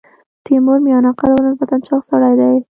تیمور میانه قده او نسبتا چاغ سړی دی.